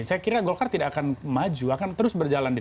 saya kira golkar tidak akan maju akan terus berjalan di tempat ini